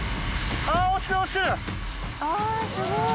あっすごい。